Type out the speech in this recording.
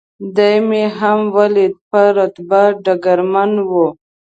دی مې هم ولید، په رتبه ډګرمن و.